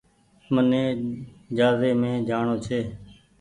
مني جهآزي مي جآڻو ڇي۔